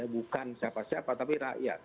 bukan siapa siapa tapi rakyat